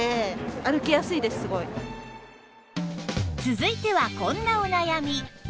続いてはこんなお悩み